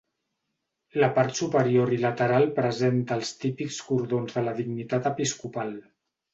La part superior i lateral presenta els típics cordons de la dignitat episcopal.